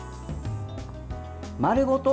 丸ごと